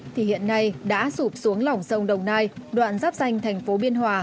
thì hiện nay đã sụp xuống lỏng sông đồng nai đoạn dắp danh thành phố biên hòa